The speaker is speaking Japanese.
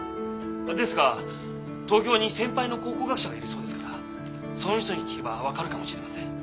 ですが東京に先輩の考古学者がいるそうですからその人に聞けばわかるかもしれません。